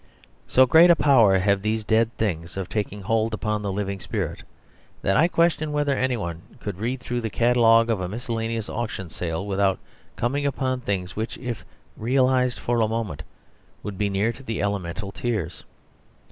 So great a power have these dead things of taking hold on the living spirit, that I question whether any one could read through the catalogue of a miscellaneous auction sale without coming upon things which, if realised for a moment, would be near to the elemental tears.